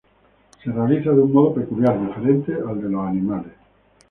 Se realiza de un modo peculiar, diferente al de los animales.